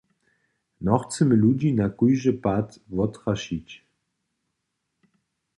Nochcemy ludźi na žadyn pad wottrašić.